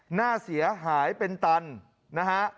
หน้าเสียหายเป็นตันนะฮะ